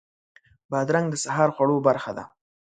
بادرنګ د سهار خوړو برخه ده.